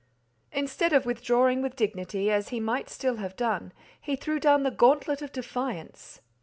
Instead of withdrawing with dignity, as he might still have done, he threw down the gauntlet of defiance.